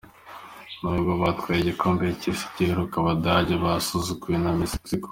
Nubwo batwaye igikombe cy’isi giheruka, Abadage basuzuguwe na Mexico.